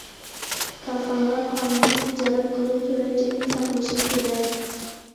كارخانىلار قانۇنلۇق تىجارەت قىلىپ، تۆۋەن چەكنى ساقلىشى كېرەك.